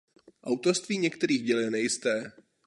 Autorství některých děl je nejisté.